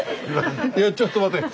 いやちょっと待って。